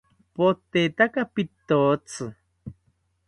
Potetaka pitotzi